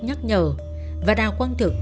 nhắc nhở và đào quang thực